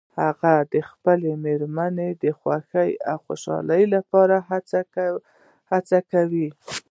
هغه د خپلې مېرمنې د خوښې او خوشحالۍ لپاره هڅه کوي